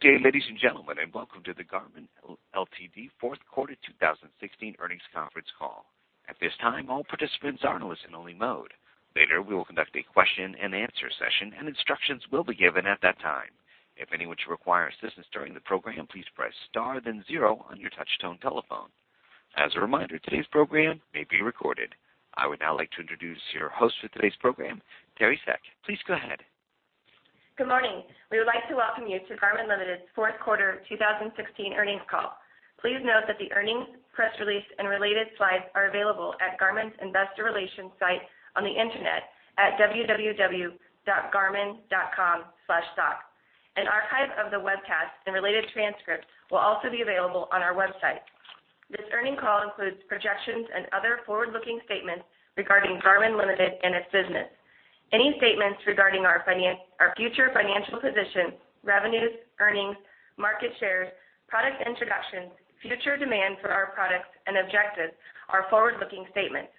Good day, ladies and gentlemen, and welcome to the Garmin Ltd. fourth quarter 2016 earnings conference call. At this time, all participants are in listen-only mode. Later, we will conduct a question and answer session, and instructions will be given at that time. If anyone should require assistance during the program, please press star then zero on your touchtone telephone. As a reminder, today's program may be recorded. I would now like to introduce your host for today's program, Teri Seck. Please go ahead. Good morning. We would like to welcome you to Garmin Ltd.'s fourth quarter 2016 earnings call. Please note that the earnings press release and related slides are available at Garmin's Investor Relations site on the internet at www.garmin.com/stock. An archive of the webcast and related transcript will also be available on our website. This earnings call includes projections and other forward-looking statements regarding Garmin Ltd. and its business. Any statements regarding our future financial position, revenues, earnings, market shares, product introductions, future demand for our products, and objectives are forward-looking statements.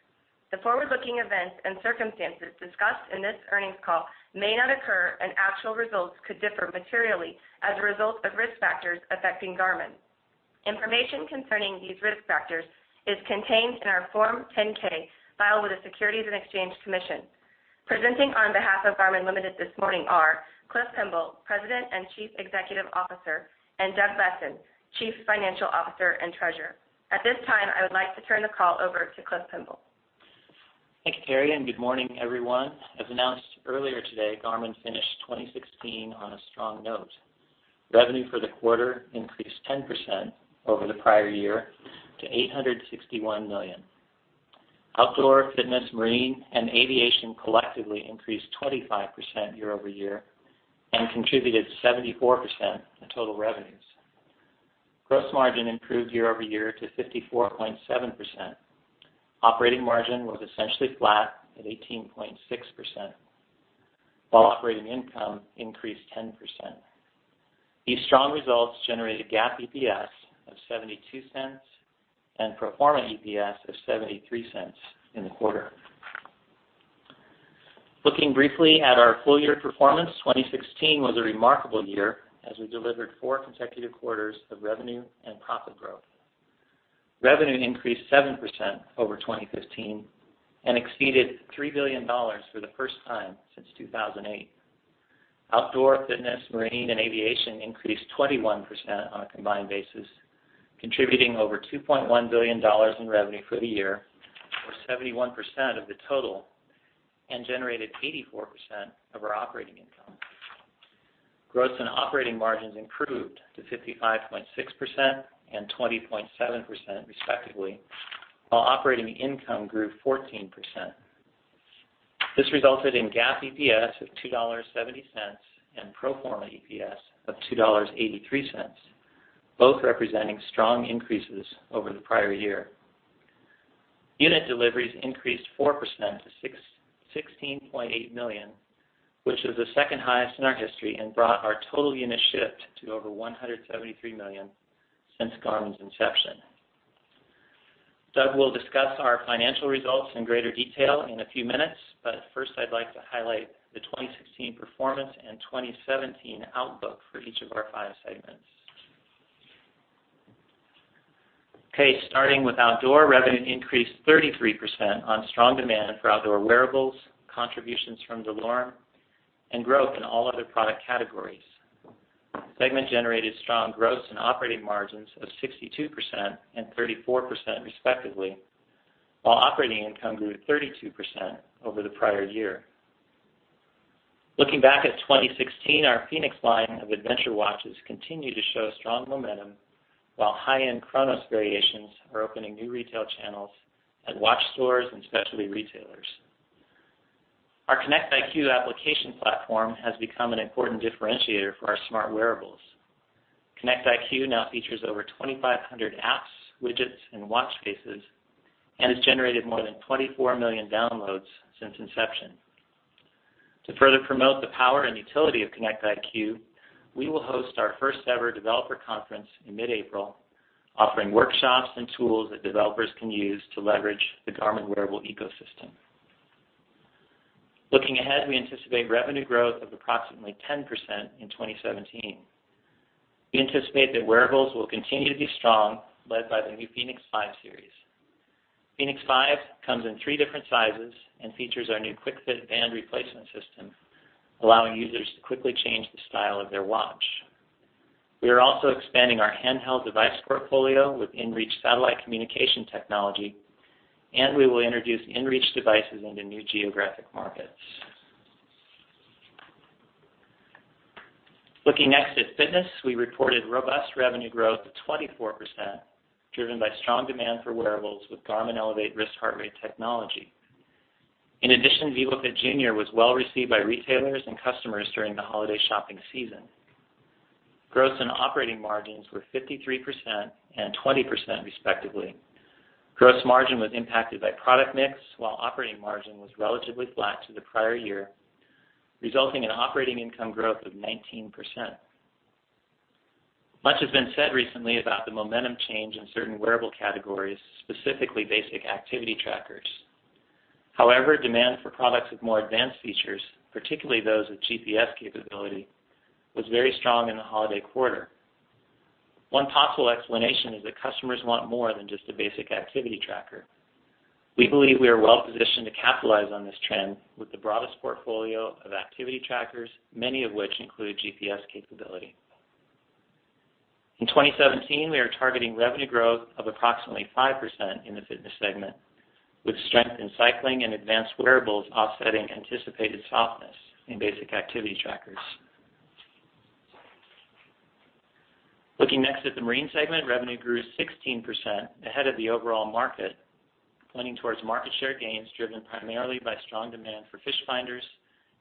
The forward-looking events and circumstances discussed in this earnings call may not occur, and actual results could differ materially as a result of risk factors affecting Garmin. Information concerning these risk factors is contained in our Form 10-K filed with the Securities and Exchange Commission. Presenting on behalf of Garmin Ltd. this morning are Cliff Pemble, President and Chief Executive Officer; and Doug Boessen, Chief Financial Officer and Treasurer. At this time, I would like to turn the call over to Cliff Pemble. Thank you, Teri, and good morning, everyone. As announced earlier today, Garmin finished 2016 on a strong note. Revenue for the quarter increased 10% over the prior year to $861 million. Outdoor, fitness, marine, and aviation collectively increased 25% year-over-year and contributed 74% of total revenues. Gross margin improved year-over-year to 54.7%. Operating margin was essentially flat at 18.6%, while operating income increased 10%. These strong results generated GAAP EPS of $0.72 and pro forma EPS of $0.73 in the quarter. Looking briefly at our full-year performance, 2016 was a remarkable year as we delivered four consecutive quarters of revenue and profit growth. Revenue increased 7% over 2015 and exceeded $3 billion for the first time since 2008. Outdoor, Fitness, Marine, and Aviation increased 21% on a combined basis, contributing over $2.1 billion in revenue for the year, or 71% of the total, and generated 84% of our operating income. Gross and operating margins improved to 55.6% and 20.7%, respectively, while operating income grew 14%. This resulted in GAAP EPS of $2.70 and pro forma EPS of $2.83, both representing strong increases over the prior year. Unit deliveries increased 4% to 16.8 million, which is the second highest in our history and brought our total units shipped to over 173 million since Garmin's inception. Doug will discuss our financial results in greater detail in a few minutes, but first I'd like to highlight the 2016 performance and 2017 outlook for each of our five segments. Starting with Outdoor, revenue increased 33% on strong demand for Outdoor wearables, contributions from DeLorme, and growth in all other product categories. The segment generated strong gross and operating margins of 62% and 34%, respectively, while operating income grew 32% over the prior year. Looking back at 2016, our fēnix line of adventure watches continue to show strong momentum, while high-end Chronos variations are opening new retail channels at watch stores and specialty retailers. Our Connect IQ application platform has become an important differentiator for our smart wearables. Connect IQ now features over 2,500 apps, widgets, and watch faces and has generated more than 24 million downloads since inception. To further promote the power and utility of Connect IQ, we will host our first-ever developer conference in mid-April, offering workshops and tools that developers can use to leverage the Garmin wearable ecosystem. Looking ahead, we anticipate revenue growth of approximately 10% in 2017. We anticipate that wearables will continue to be strong, led by the new fēnix 5 series. fēnix 5 comes in three different sizes and features our new QuickFit band replacement system, allowing users to quickly change the style of their watch. We are also expanding our handheld device portfolio with inReach satellite communication technology, and we will introduce inReach devices into new geographic markets. Looking next at Fitness, we reported robust revenue growth of 24%, driven by strong demand for wearables with Garmin Elevate wrist heart rate technology. In addition, vívofit jr. was well received by retailers and customers during the holiday shopping season. Gross and operating margins were 53% and 20%, respectively. Gross margin was impacted by product mix, while operating margin was relatively flat to the prior year, resulting in operating income growth of 19%. Much has been said recently about the momentum change in certain wearable categories, specifically basic activity trackers. Demand for products with more advanced features, particularly those with GPS capability, was very strong in the holiday quarter. One possible explanation is that customers want more than just a basic activity tracker. We believe we are well-positioned to capitalize on this trend with the broadest portfolio of activity trackers, many of which include GPS capability. In 2017, we are targeting revenue growth of approximately 5% in the Fitness segment, with strength in cycling and advanced wearables offsetting anticipated softness in basic activity trackers. Looking next at the Marine segment, revenue grew 16%, ahead of the overall market, pointing towards market share gains driven primarily by strong demand for fish finders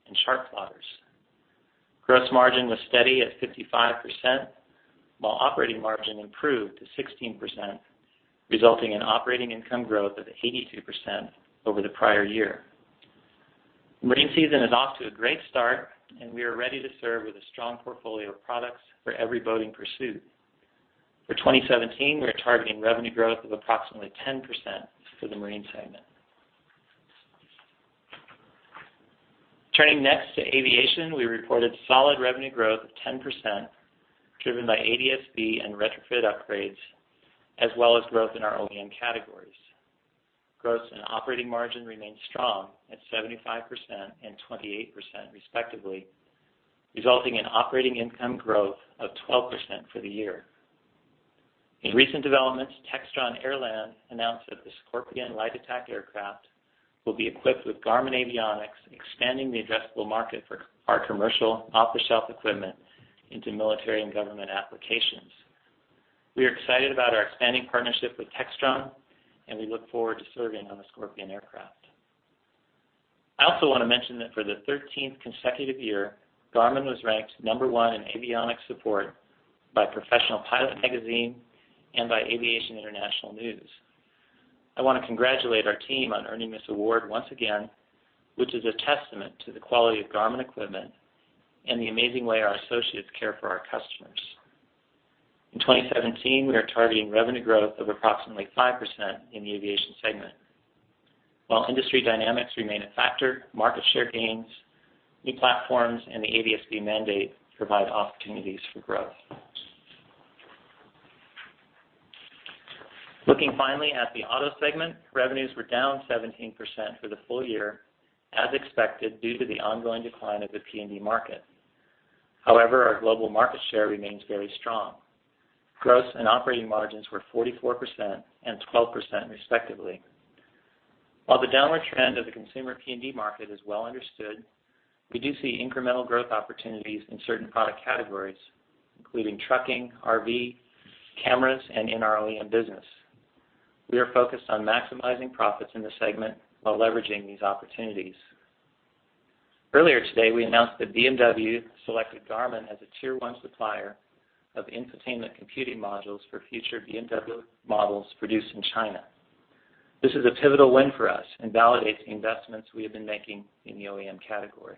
and chart plotters. Gross margin was steady at 55%, while operating margin improved to 16%, resulting in operating income growth of 82% over the prior year. Marine season is off to a great start, and we are ready to serve with a strong portfolio of products for every boating pursuit. For 2017, we are targeting revenue growth of approximately 10% for the marine segment. Turning next to aviation. We reported solid revenue growth of 10%, driven by ADS-B and retrofit upgrades, as well as growth in our OEM categories. Gross and operating margin remained strong at 75% and 28%, respectively, resulting in operating income growth of 12% for the year. In recent developments, Textron AirLand announced that the Scorpion light attack aircraft will be equipped with Garmin avionics, expanding the addressable market for our commercial off-the-shelf equipment into military and government applications. We are excited about our expanding partnership with Textron, and we look forward to serving on the Scorpion aircraft. I also want to mention that for the 13th consecutive year, Garmin was ranked number 1 in avionics support by Professional Pilot Magazine and by Aviation International News. I want to congratulate our team on earning this award once again, which is a testament to the quality of Garmin equipment and the amazing way our associates care for our customers. In 2017, we are targeting revenue growth of approximately 5% in the aviation segment. While industry dynamics remain a factor, market share gains, new platforms, and the ADS-B mandate provide opportunities for growth. Looking finally at the auto segment, revenues were down 17% for the full year, as expected, due to the ongoing decline of the PND market. However, our global market share remains very strong. Gross and operating margins were 44% and 12%, respectively. While the downward trend of the consumer PND market is well understood, we do see incremental growth opportunities in certain product categories, including trucking, RV, cameras, and in our OEM business. We are focused on maximizing profits in this segment while leveraging these opportunities. Earlier today, we announced that BMW selected Garmin as a tier 1 supplier of infotainment computing modules for future BMW models produced in China. This is a pivotal win for us and validates the investments we have been making in the OEM category.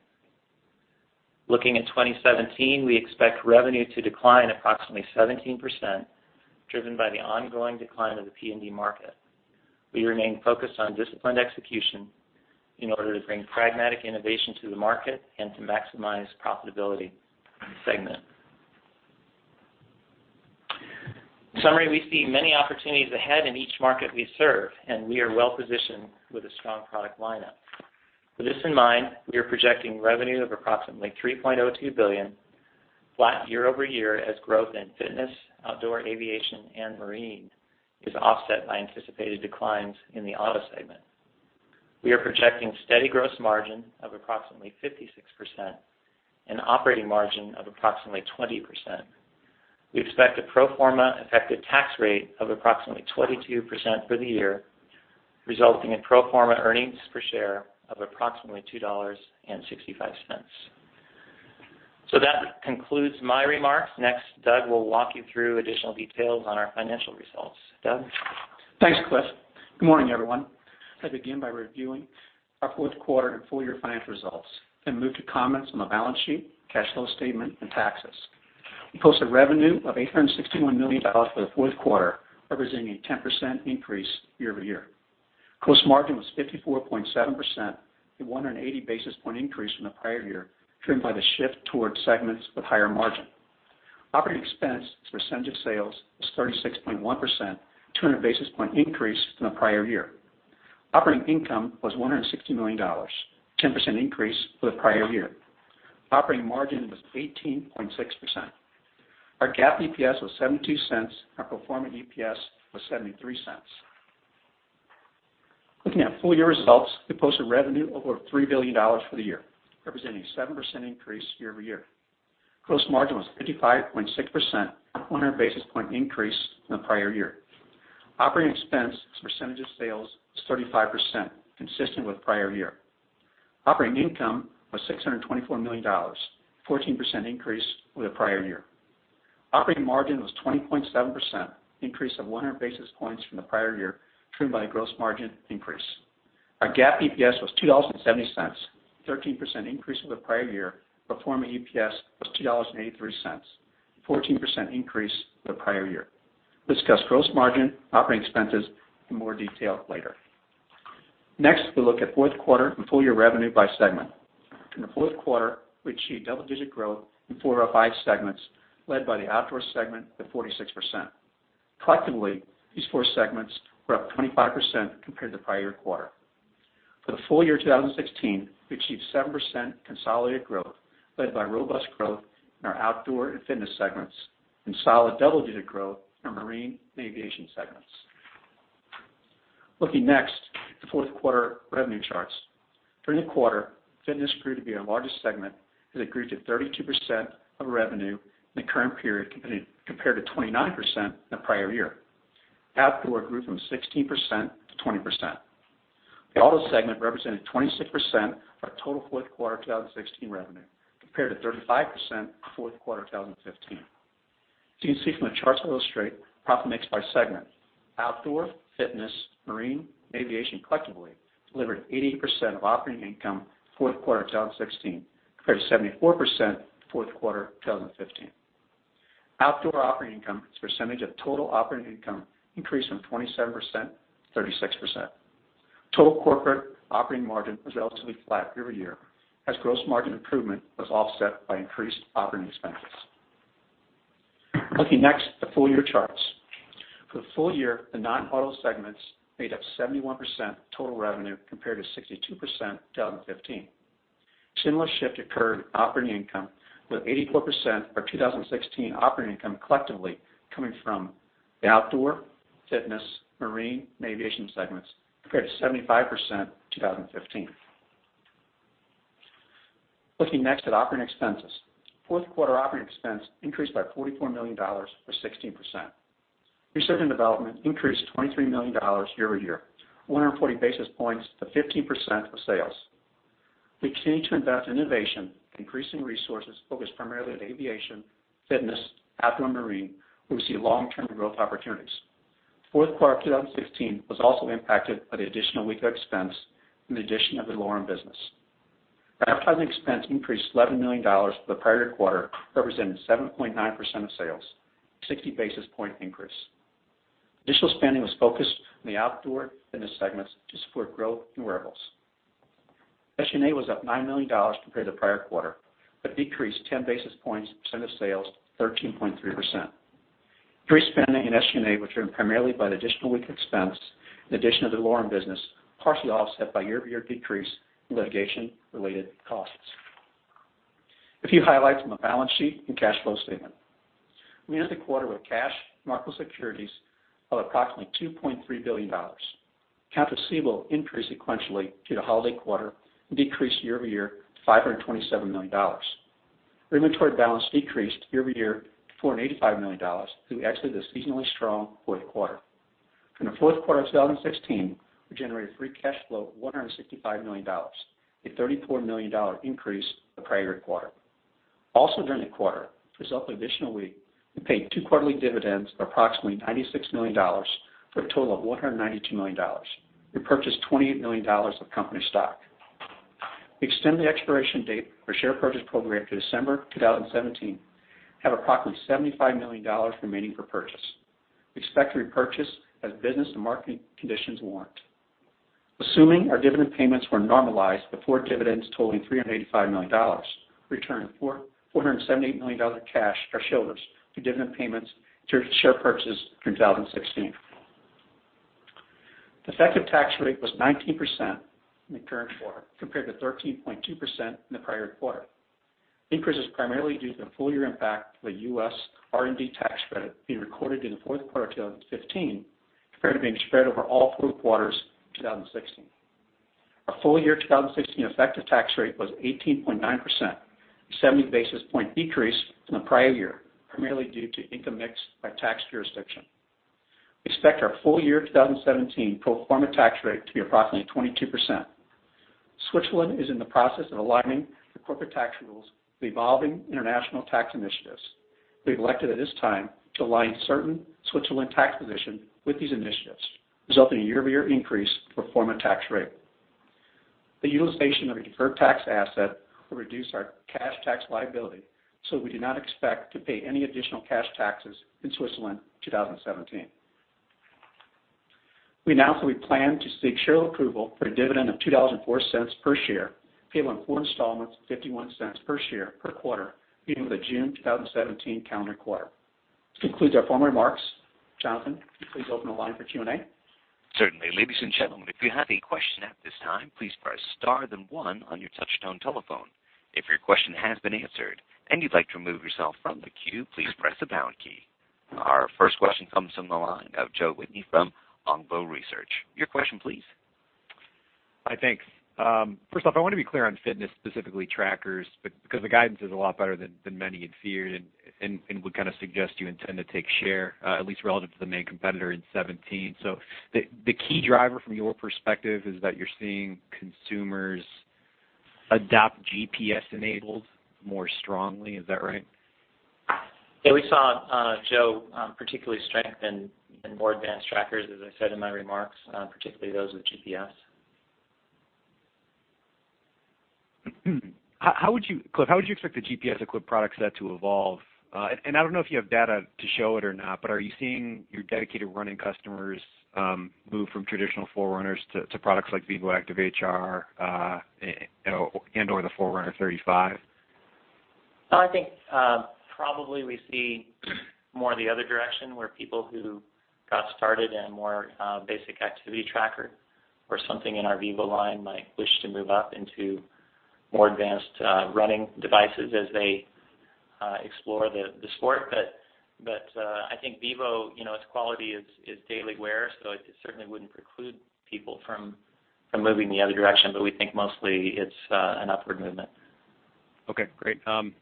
Looking at 2017, we expect revenue to decline approximately 17%, driven by the ongoing decline of the PND market. We remain focused on disciplined execution in order to bring pragmatic innovation to the market and to maximize profitability in the segment. In summary, we see many opportunities ahead in each market we serve, and we are well-positioned with a strong product lineup. With this in mind, we are projecting revenue of approximately $3.02 billion, flat year-over-year as growth in fitness, outdoor, aviation, and marine is offset by anticipated declines in the auto segment. We are projecting steady gross margin of approximately 56% and operating margin of approximately 20%. We expect a pro forma effective tax rate of approximately 22% for the year, resulting in pro forma earnings per share of approximately $2.65. That concludes my remarks. Next, Doug will walk you through additional details on our financial results. Doug? Thanks, Cliff. Good morning, everyone. I begin by reviewing our fourth quarter and full year financial results, then move to comments on the balance sheet, cash flow statement and taxes. We posted revenue of $861 million for the fourth quarter, representing a 10% increase year over year. Gross margin was 54.7%, a 180-basis-point increase from the prior year, driven by the shift towards segments with higher margin. Operating expense as a percentage of sales was 36.1%, a 200-basis-point increase from the prior year. Operating income was $160 million, 10% increase for the prior year. Operating margin was 18.6%. Our GAAP EPS was $0.72. Our pro forma EPS was $0.73. Looking at full year results, we posted revenue over $3 billion for the year, representing a 7% increase year over year. Gross margin was 55.6%, a 100-basis-point increase from the prior year. Operating expense as a percentage of sales was 35%, consistent with prior year. Operating income was $624 million, 14% increase over the prior year. Operating margin was 20.7%, increase of 100 basis points from the prior year, driven by gross margin increase. Our GAAP EPS was $2.70, 13% increase over the prior year. Pro forma EPS was $2.83, 14% increase over the prior year. Discuss gross margin, operating expenses in more detail later. Next, we look at fourth quarter and full-year revenue by segment. In the fourth quarter, we achieved double-digit growth in four of our five segments, led by the Outdoor segment at 46%. Collectively, these four segments were up 25% compared to the prior year quarter. For the full year 2016, we achieved 7% consolidated growth, led by robust growth in our Outdoor and Fitness segments, and solid double-digit growth in our Marine and Aviation segments. Looking next at the fourth quarter revenue charts. During the quarter, Fitness proved to be our largest segment, as it grew to 32% of revenue in the current period compared to 29% in the prior year. Outdoor grew from 16% to 20%. The auto segment represented 26% of our total fourth quarter 2016 revenue, compared to 35% for fourth quarter 2015. As you can see from the charts illustrate, profit mix by segment. Outdoor, Fitness, Marine, and Aviation collectively delivered 88% of operating income in fourth quarter 2016, compared to 74% fourth quarter 2015. Outdoor operating income as a percentage of total operating income increased from 27% to 36%. Total corporate operating margin was relatively flat year over year, as gross margin improvement was offset by increased operating expenses. Looking next at the full year charts. For the full year, the non-auto segments made up 71% of total revenue, compared to 62% in 2015. A similar shift occurred in operating income, with 84% of 2016 operating income collectively coming from the Outdoor, Fitness, Marine, and Aviation segments, compared to 75% in 2015. Looking next at operating expenses. Fourth quarter operating expense increased by $44 million or 16%. Research and development increased $23 million year over year, 140 basis points to 15% of sales. We continue to invest in innovation, increasing resources focused primarily on Aviation, Fitness, Outdoor, and Marine, where we see long-term growth opportunities. Fourth quarter of 2016 was also impacted by the additional Wahoo expense and the addition of the DeLorme business. Our advertising expense increased $11 million from the prior year quarter, representing 7.9% of sales, a 60-basis-point increase. Additional spending was focused on the Outdoor Fitness segments to support growth in wearables. SG&A was up $9 million compared to the prior quarter, decreased 10 basis points as a percent of sales to 13.3%. Increased spending in SG&A was driven primarily by the additional Wahoo expense, and the addition of the DeLorme business, partially offset by a year-over-year decrease in litigation-related costs. A few highlights from the balance sheet and cash flow statement. We ended the quarter with cash, marketable securities of approximately $2.3 billion. Accounts receivable increased sequentially due to the holiday quarter and decreased year-over-year to $527 million. Our inventory balance decreased year-over-year to $485 million as we exited the seasonally strong fourth quarter. During the fourth quarter of 2016, we generated free cash flow of $165 million, a $34 million increase over the prior year quarter. Also during the quarter, as a result of the additional Wahoo, we paid two quarterly dividends of approximately $96 million, for a total of $192 million. We purchased $28 million of company stock. We extended the expiration date of our share purchase program to December 2017 and have approximately $75 million remaining for purchase. We expect to repurchase as business and market conditions warrant. Assuming our dividend payments were normalized with four dividends totaling $385 million, we returned $478 million cash to our shareholders through dividend payments and through share purchases in 2016. The effective tax rate was 19% in the current quarter, compared to 13.2% in the prior quarter. The increase is primarily due to the full-year impact of the U.S. R&D tax credit being recorded in the fourth quarter of 2015, compared to being spread over all four quarters in 2016. Our full-year 2016 effective tax rate was 18.9%, a 70-basis-point decrease from the prior year, primarily due to income mix by tax jurisdiction. We expect our full-year 2017 pro forma tax rate to be approximately 22%. Switzerland is in the process of aligning the corporate tax rules with evolving international tax initiatives. We've elected at this time to align certain Switzerland tax positions with these initiatives, resulting in a year-over-year increase in pro forma tax rate. The utilization of our deferred tax asset will reduce our cash tax liability, we do not expect to pay any additional cash taxes in Switzerland in 2017. We announced that we plan to seek shareholder approval for a dividend of $2.04 per share, paid in four installments of $0.51 per share per quarter, beginning with the June 2017 calendar quarter. This concludes our formal remarks. Jonathan, would you please open the line for Q&A? Certainly. Ladies and gentlemen, if you have a question at this time, please press star then one on your touchtone telephone. If your question has been answered and you'd like to remove yourself from the queue, please press the pound key. Our first question comes from the line of Joe Whitney from Longbow Research. Your question, please. Hi, thanks. First off, I want to be clear on fitness, specifically trackers, because the guidance is a lot better than many had feared and would kind of suggest you intend to take share, at least relative to the main competitor in 2017. The key driver from your perspective is that you're seeing consumers adopt GPS-enabled more strongly. Is that right? Yeah, we saw, Joe, particularly strength in more advanced trackers, as I said in my remarks, particularly those with GPS. Cliff, how would you expect the GPS-equipped product set to evolve? I don't know if you have data to show it or not, but are you seeing your dedicated running customers move from traditional Forerunner to products like vívoactive HR, and/or the Forerunner 35? I think probably we see more of the other direction, where people who got started in a more basic activity tracker or something in our vívo line might wish to move up into more advanced running devices as they explore the sport. I think vívo, its quality is daily wear, so it certainly wouldn't preclude people from moving in the other direction. We think mostly it's an upward movement. Okay, great. On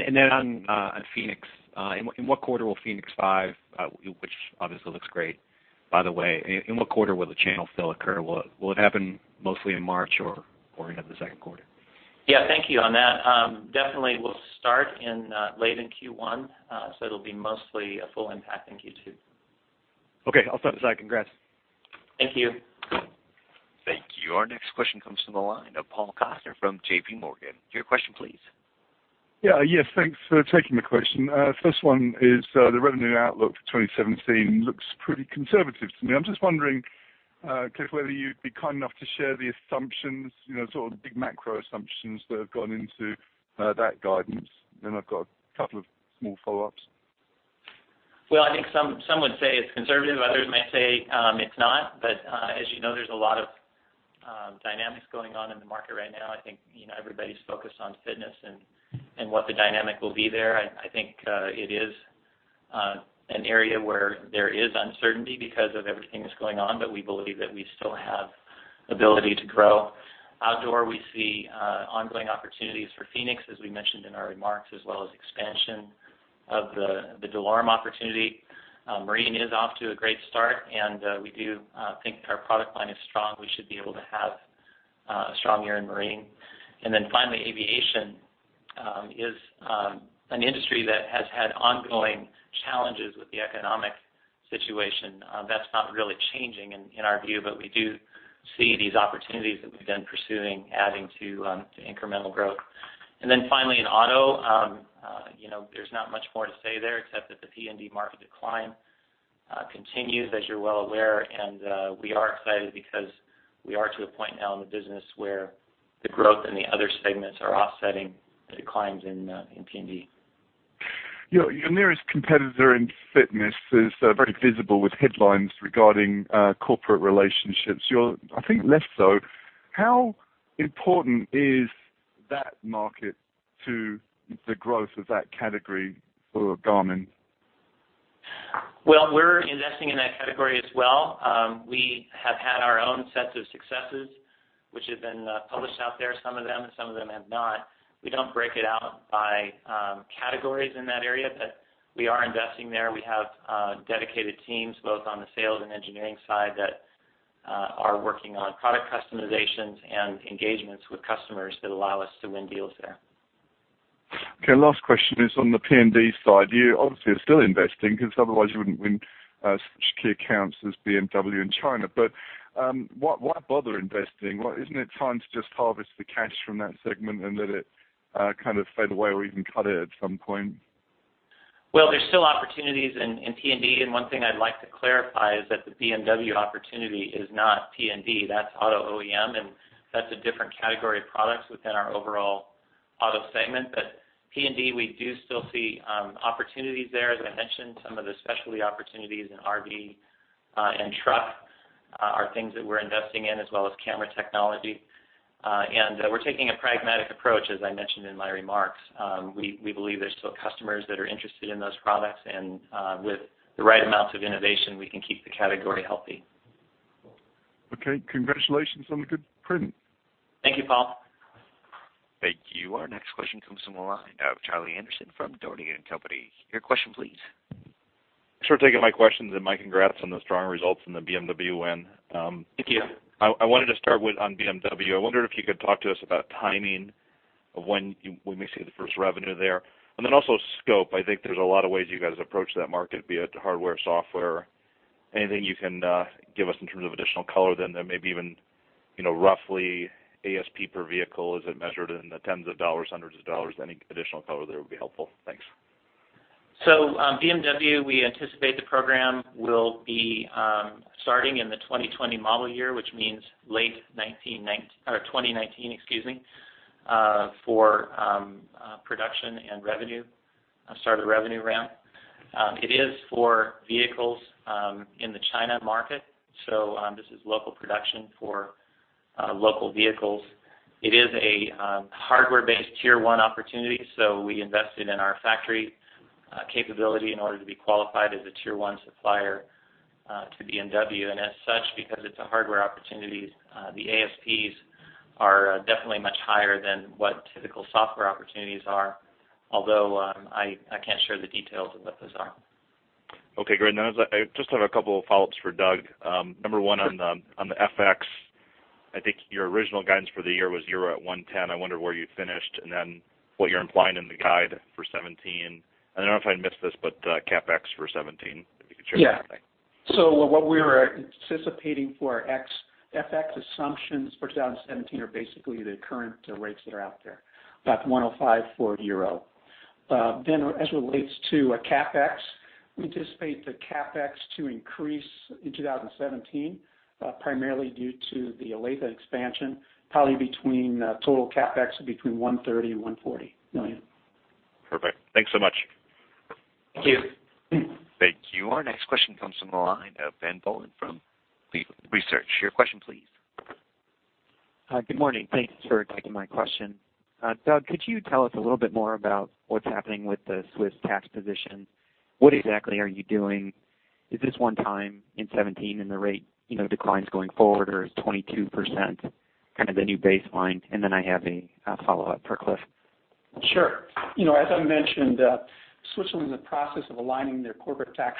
fēnix, in what quarter will fēnix 5, which obviously looks great, by the way, in what quarter will the channel fill occur? Will it happen mostly in March or into the second quarter? Yeah. Thank you on that. Definitely we'll start in late in Q1, so it'll be mostly a full impact in Q2. Okay, I'll stop with that. Congrats. Thank you. Thank you. Our next question comes from the line of Paul Coster from J.P. Morgan. Your question, please. Yes. Thanks for taking the question. First one is the revenue outlook for 2017 looks pretty conservative to me. I'm just wondering, Cliff, whether you'd be kind enough to share the assumptions, sort of the big macro assumptions that have gone into that guidance. I've got a couple of small follow-ups. Well, I think some would say it's conservative, others might say it's not. As you know, there's a lot of dynamics going on in the market right now. I think everybody's focused on fitness and what the dynamic will be there. I think it is an area where there is uncertainty because of everything that's going on, but we believe that we still have ability to grow. Outdoor, we see ongoing opportunities for fēnix, as we mentioned in our remarks, as well as expansion of the DeLorme opportunity. Marine is off to a great start, and we do think our product line is strong. We should be able to have a strong year in marine. Finally, aviation is an industry that has had ongoing challenges with the economic situation. That's not really changing in our view. We do see these opportunities that we've been pursuing, adding to incremental growth. Finally, in auto, there's not much more to say there except that the PND market decline continues, as you're well aware. We are excited because we are to a point now in the business where the growth in the other segments are offsetting the declines in PND. Your nearest competitor in fitness is very visible with headlines regarding corporate relationships. You're, I think, less so. How important is that market to the growth of that category for Garmin? Well, we're investing in that category as well. We have had our own sets of successes, which have been published out there, some of them, and some of them have not. We don't break it out by categories in that area, but we are investing there. We have dedicated teams, both on the sales and engineering side, that are working on product customizations and engagements with customers that allow us to win deals there. Okay, last question is on the PND side. You obviously are still investing because otherwise you wouldn't win such key accounts as BMW in China. Why bother investing? Isn't it time to just harvest the cash from that segment and let it kind of fade away or even cut it at some point? There's still opportunities in PND, one thing I'd like to clarify is that the BMW opportunity is not PND. That's auto OEM, that's a different category of products within our overall auto segment. PND, we do still see opportunities there. As I mentioned, some of the specialty opportunities in RV and truck are things that we're investing in, as well as camera technology. We're taking a pragmatic approach, as I mentioned in my remarks. We believe there's still customers that are interested in those products, and with the right amounts of innovation, we can keep the category healthy. Okay. Congratulations on the good print. Thank you, Paul. Thank you. Our next question comes from the line of Charlie Anderson from Dougherty & Company. Your question, please. Thanks for taking my questions, my congrats on the strong results and the BMW win. Thank you. I wanted to start on BMW. I wonder if you could talk to us about timing of when we may see the first revenue there, then also scope. I think there's a lot of ways you guys approach that market, be it hardware, software. Anything you can give us in terms of additional color then maybe even roughly ASP per vehicle? Is it measured in the tens of dollars, hundreds of dollars? Any additional color there would be helpful. Thanks. BMW, we anticipate the program will be starting in the 2020 model year, which means late 2019, for production and revenue. Start of the revenue ramp. It is for vehicles in the China market, this is local production for local vehicles. It is a hardware-based tier 1 opportunity, we invested in our factory capability in order to be qualified as a tier 1 supplier to BMW. As such, because it's a hardware opportunity, the ASPs are definitely much higher than what typical software opportunities are, although I can't share the details of what those are. Okay, great. I just have a couple of follow-ups for Doug. Number one on the FX. I think your original guidance for the year was 1.10. I wonder where you finished, what you're implying in the guide for 2017. I don't know if I missed this, but CapEx for 2017, if you could share that. What we're anticipating for our FX assumptions for 2017 are basically the current rates that are out there, 1.05 euro. As it relates to CapEx, we anticipate the CapEx to increase in 2017, primarily due to the Olathe expansion, probably between total CapEx of between $130 million and $140 million. Perfect. Thanks so much. Thank you. Thank you. Our next question comes from the line of Ben Bollin from Cleveland Research. Your question, please. Hi. Good morning. Thanks for taking my question. Doug, could you tell us a little bit more about what's happening with the Swiss tax position? What exactly are you doing? Is this one time in 2017, and the rate declines going forward, or is 22% kind of the new baseline? Then I have a follow-up for Cliff. Sure. As I mentioned, Switzerland is in the process of aligning their corporate tax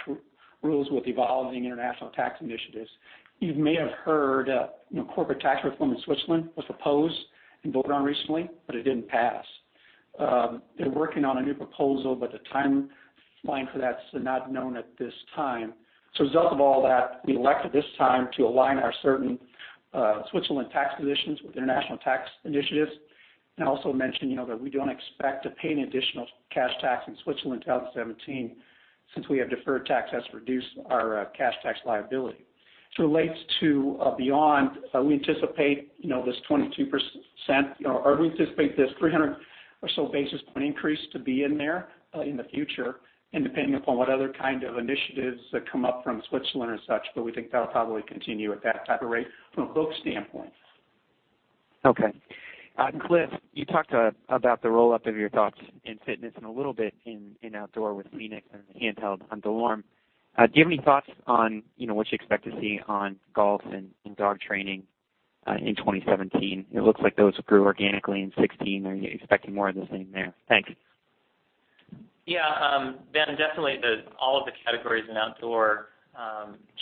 rules with evolving international tax initiatives. You may have heard corporate tax reform in Switzerland was proposed and voted on recently, but it didn't pass. They're working on a new proposal, but the timeline for that's not known at this time. As a result of all that, we elected this time to align our certain Switzerland tax positions with international tax initiatives, and also mention that we don't expect to pay any additional cash tax in Switzerland 2017 since we have deferred tax that's reduced our cash tax liability. As it relates to beyond, we anticipate this 22%, or we anticipate this 300 or so basis point increase to be in there in the future and depending upon what other kind of initiatives come up from Switzerland and such, but we think that will probably continue at that type of rate from a book standpoint. Okay. Cliff, you talked about the roll-up of your thoughts in fitness and a little bit in outdoor with fēnix and the handheld on DeLorme. Do you have any thoughts on what you expect to see on golf and in dog training in 2017? It looks like those grew organically in 2016. Are you expecting more of the same there? Thank you. Yeah. Ben, definitely all of the categories in outdoor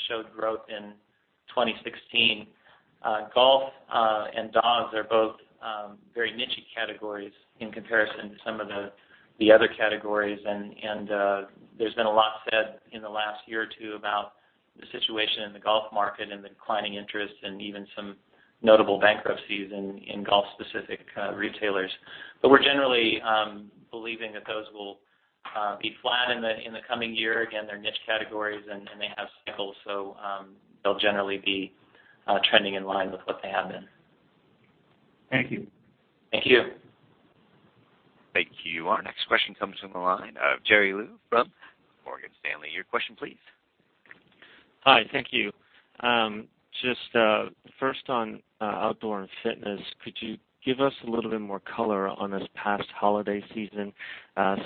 showed growth in 2016. Golf and dogs are both very niche-y categories in comparison to some of the other categories, and there's been a lot said in the last year or two about the situation in the golf market and the declining interest and even some notable bankruptcies in golf-specific retailers. We're generally believing that those will be flat in the coming year. Again, they're niche categories, and they have cycles, so they'll generally be trending in line with what they have been. Thank you. Thank you. Thank you. Our next question comes from the line of Jerry Liu from Morgan Stanley. Your question, please. Hi. Thank you. First on outdoor and fitness, could you give us a little bit more color on this past holiday season?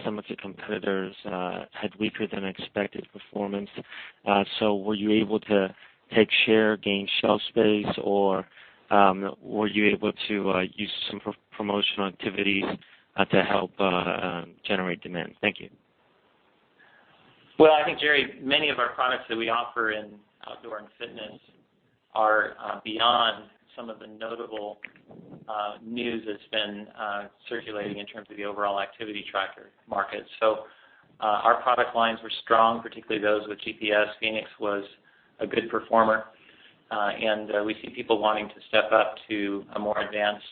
Some of the competitors had weaker than expected performance. Were you able to take share, gain shelf space, or were you able to use some promotional activities to help generate demand? Thank you. Well, I think, Jerry, many of our products that we offer in outdoor and fitness are beyond some of the notable news that's been circulating in terms of the overall activity tracker market. Our product lines were strong, particularly those with GPS. fēnix was a good performer. We see people wanting to step up to a more advanced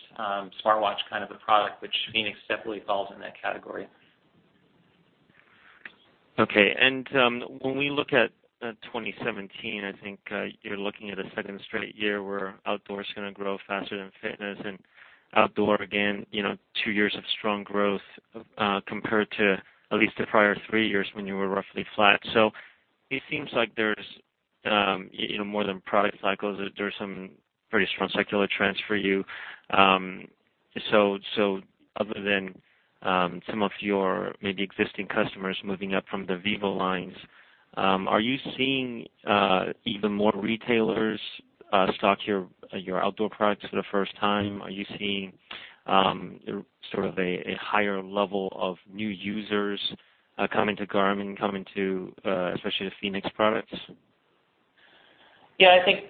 smartwatch kind of a product, which fēnix definitely falls in that category. Okay. When we look at 2017, I think you're looking at a second straight year where outdoor's going to grow faster than fitness and outdoor, again, two years of strong growth compared to at least the prior three years when you were roughly flat. It seems like there's more than product cycles. There's some pretty strong secular trends for you. Other than some of your maybe existing customers moving up from the vívo lines, are you seeing even more retailers stock your outdoor products for the first time? Are you seeing sort of a higher level of new users coming to Garmin, coming to especially the fēnix products? Yeah. I think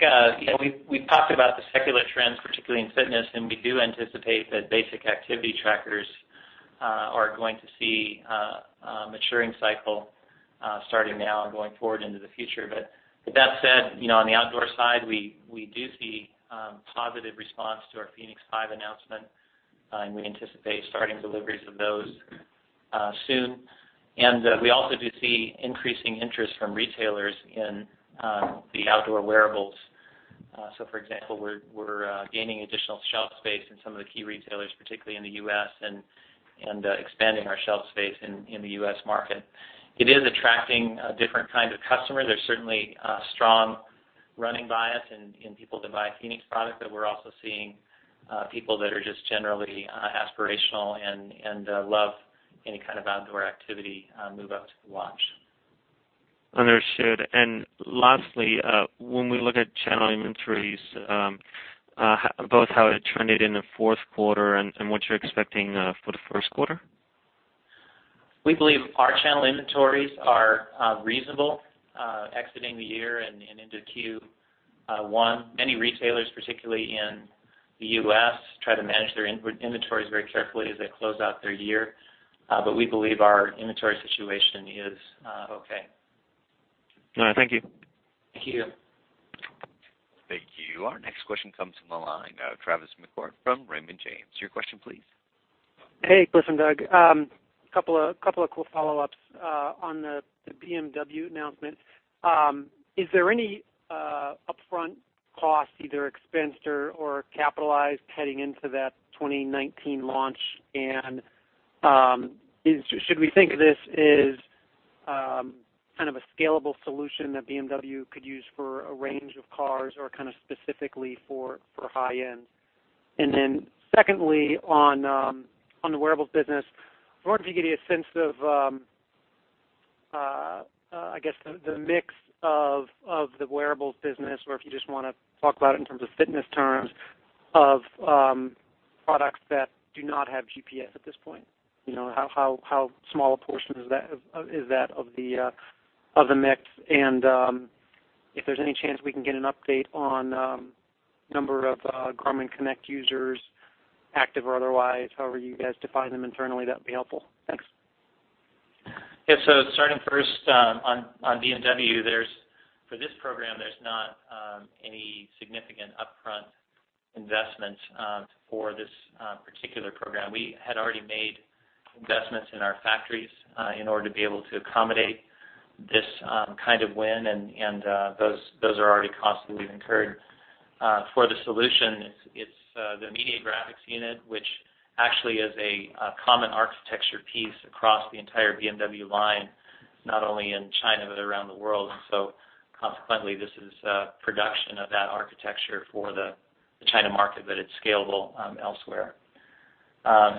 we've talked about the secular trends, particularly in fitness, and we do anticipate that basic activity trackers are going to see a maturing cycle starting now and going forward into the future. With that said, on the outdoor side, we do see positive response to our fēnix 5 announcement, and we anticipate starting deliveries of those soon. We also do see increasing interest from retailers in the outdoor wearables. For example, we're gaining additional shelf space in some of the key retailers, particularly in the U.S., and expanding our shelf space in the U.S. market. It is attracting a different kind of customer. There's certainly a strong running bias in people that buy a fēnix product, but we're also seeing people that are just generally aspirational and love any kind of outdoor activity move up to the watch. Understood. Lastly, when we look at channel inventories, both how it trended in the fourth quarter and what you're expecting for the first quarter? We believe our channel inventories are reasonable exiting the year and into Q1, many retailers, particularly in the U.S., try to manage their inventories very carefully as they close out their year. We believe our inventory situation is okay. All right. Thank you. Thank you. Thank you. Our next question comes from the line of Tavis McCourt from Raymond James. Your question, please. Hey, Cliff and Doug. Couple of quick follow-ups on the BMW announcement. Is there any upfront cost, either expensed or capitalized, heading into that 2019 launch? Should we think of this as kind of a scalable solution that BMW could use for a range of cars or kind of specifically for high-end? Secondly, on the wearables business, I wonder if you could give me a sense of, I guess, the mix of the wearables business, or if you just want to talk about it in terms of fitness terms of products that do not have GPS at this point. How small a portion is that of the mix? If there's any chance we can get an update on number of Garmin Connect users, active or otherwise, however you guys define them internally, that would be helpful. Thanks. Yeah. Starting first on BMW, for this program, there's not any significant upfront investment for this particular program. We had already made investments in our factories in order to be able to accommodate this kind of win, and those are already costs that we've incurred. For the solution, it's the media graphics unit, which actually is a common architecture piece across the entire BMW line, not only in China, but around the world. Consequently, this is production of that architecture for the China market, but it's scalable elsewhere.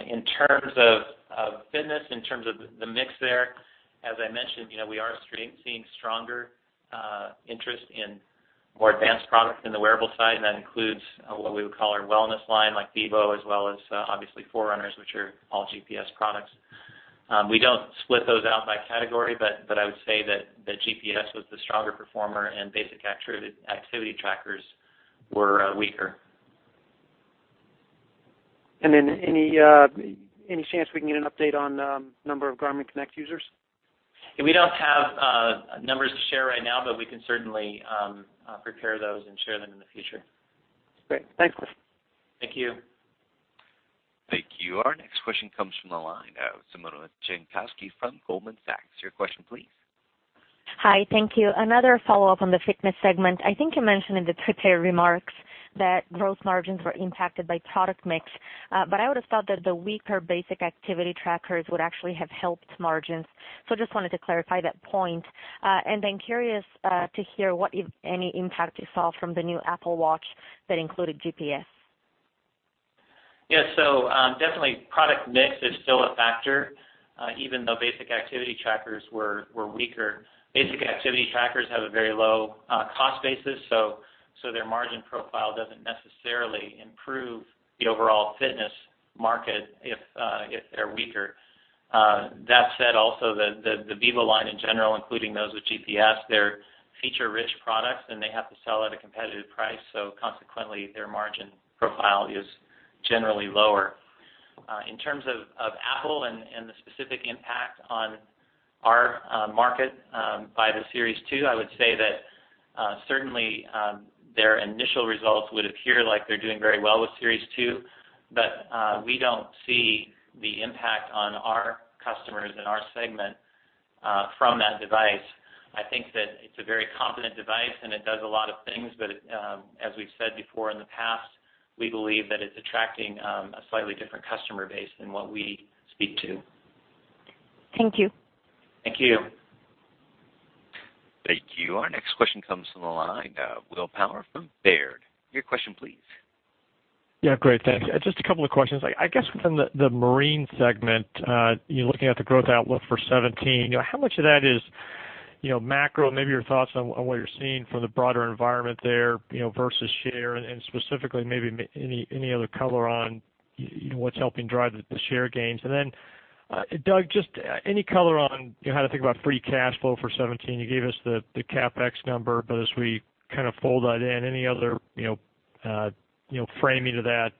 In terms of fitness, in terms of the mix there, as I mentioned, we are seeing stronger interest in more advanced products in the wearable side, and that includes what we would call our wellness line, like vívo, as well as obviously Forerunner, which are all GPS products. We don't split those out by category, but I would say that the GPS was the stronger performer and basic activity trackers were weaker. Any chance we can get an update on number of Garmin Connect users? We don't have numbers to share right now, but we can certainly prepare those and share them in the future. Great. Thanks. Thank you. Thank you. Our next question comes from the line of Simona Jankowski from Goldman Sachs. Your question, please. Hi. Thank you. Another follow-up on the fitness segment. I think you mentioned in the prepared remarks that gross margins were impacted by product mix. I would've thought that the weaker basic activity trackers would actually have helped margins. Just wanted to clarify that point. Curious to hear what, if any, impact you saw from the new Apple Watch that included GPS. Yeah. Definitely product mix is still a factor. Even though basic activity trackers were weaker, basic activity trackers have a very low cost basis, their margin profile doesn't necessarily improve the overall fitness market if they're weaker. That said also, the vívo line in general, including those with GPS, they're feature-rich products, and they have to sell at a competitive price, consequently, their margin profile is generally lower. In terms of Apple and the specific impact on our market by the Series 2, I would say that certainly, their initial results would appear like they're doing very well with Series 2, but we don't see the impact on our customers in our segment from that device. I think that it's a very competent device, and it does a lot of things, but as we've said before in the past, we believe that it's attracting a slightly different customer base than what we speak to. Thank you. Thank you. Thank you. Our next question comes from the line of Will Power from Baird. Your question, please. Yeah, great. Thank you. Just a couple of questions. I guess within the marine segment, looking at the growth outlook for 2017, how much of that is macro? Maybe your thoughts on what you're seeing from the broader environment there, versus share, and specifically maybe any other color on what's helping drive the share gains. Then, Doug, just any color on how to think about free cash flow for 2017. You gave us the CapEx number, but as we kind of fold that in, any other framing to that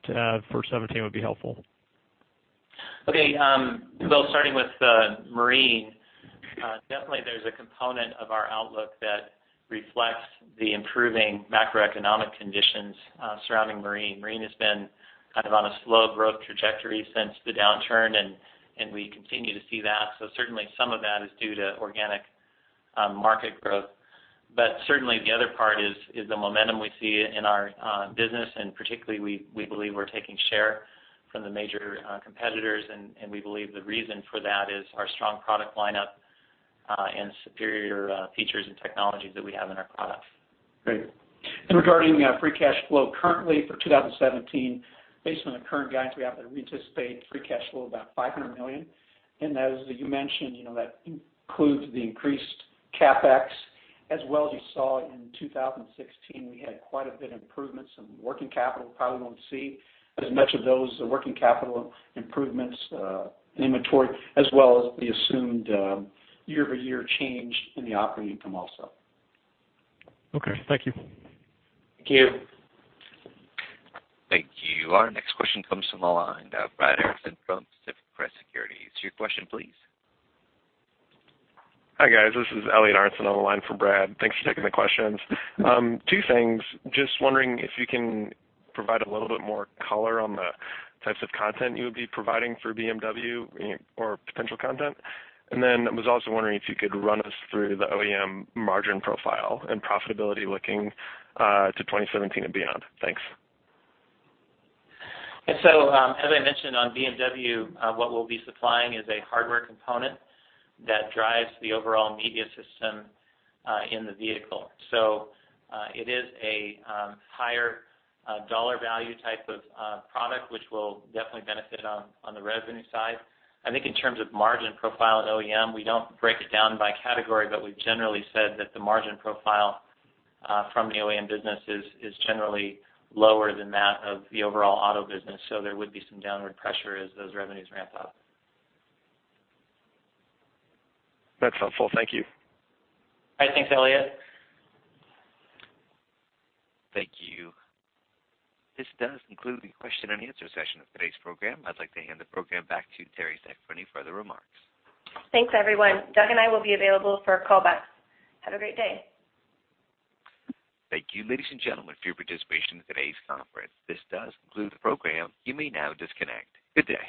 for 2017 would be helpful. Okay. Will, starting with marine. Definitely there's a component of our outlook that reflects the improving macroeconomic conditions surrounding marine. Marine has been kind of on a slow growth trajectory since the downturn, and we continue to see that. Certainly some of that is due to organic market growth. Certainly the other part is the momentum we see in our business, and particularly, we believe we're taking share from the major competitors, and we believe the reason for that is our strong product lineup, and superior features and technologies that we have in our products. Great. Regarding free cash flow currently for 2017, based on the current guidance we have, we anticipate free cash flow of about $500 million. As you mentioned, that includes the increased CapEx. As well as you saw in 2016, we had quite a bit improvements in working capital. Probably won't see as much of those working capital improvements in inventory, as well as the assumed year-over-year change in the operating income also. Okay. Thank you. Thank you. Thank you. Our next question comes from the line of Brad Erickson from Pacific Crest Securities. Your question, please. Hi, guys. This is Elliott Aronson on the line for Brad. Thanks for taking the questions. Two things. Just wondering if you can provide a little bit more color on the types of content you would be providing for BMW or potential content. Then was also wondering if you could run us through the OEM margin profile and profitability looking to 2017 and beyond. Thanks. Yeah. As I mentioned on BMW, what we'll be supplying is a hardware component that drives the overall media system in the vehicle. It is a higher dollar value type of product, which will definitely benefit on the revenue side. I think in terms of margin profile at OEM, we don't break it down by category, but we've generally said that the margin profile from the OEM business is generally lower than that of the overall auto business, so there would be some downward pressure as those revenues ramp up. That's helpful. Thank you. All right. Thanks, Elliott. Thank you. This does conclude the question and answer session of today's program. I'd like to hand the program back to Teri Seck for any further remarks. Thanks, everyone. Doug and I will be available for a call back. Have a great day. Thank you, ladies and gentlemen, for your participation in today's conference. This does conclude the program. You may now disconnect. Good day.